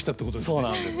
そうなんですはい。